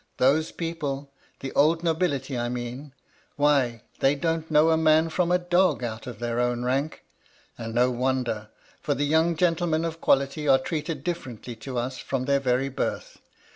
Those people — the old nobility I mean — why they don't know a man from a dog, out of their own rank I And no wonder, for the young gentlemen of quality are treated differently to us from their very birth.